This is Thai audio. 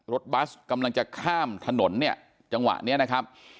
บัสกำลังจะข้ามถนนเนี่ยจังหวะนี้นะครับ